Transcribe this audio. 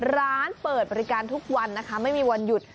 ร้านเปิดบริการทุกวันนะคะไม่มีวันหยุด